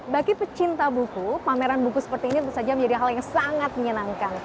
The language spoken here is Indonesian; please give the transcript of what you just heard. bagi pecinta buku pameran buku seperti ini tentu saja menjadi hal yang sangat menyenangkan